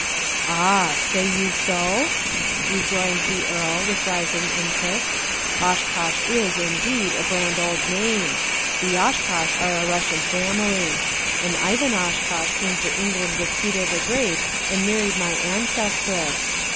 "Ah! say you so?" rejoined the earl, with rising interest. "Oshkosh is, indeed, a grand old name. The Oshkosh are a Russian family. An Ivan Oshkosh came to England with Peter the Great and married my ancestress.